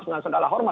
dengan segala hormat